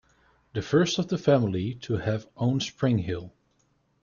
The first of the family to have owned Springhill.